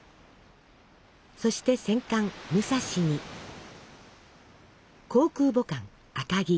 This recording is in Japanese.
そして戦艦「武蔵」に航空母艦「赤城」。